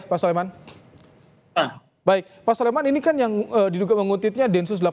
pak suleman ini kan yang diduga menguntitnya densus delapan puluh delapan